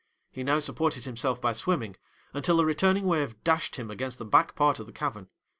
He now supported himself by swimming, until a returning wave dashed him against the back part of the cavern.